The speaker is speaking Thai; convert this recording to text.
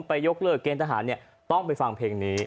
ไปยกเลือกเกณฑ์ทหารเนี่ยต้องไปฟังเพลงนี้